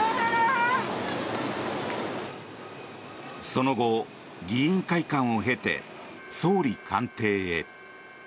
その後、議員会館を経て総理官邸へ。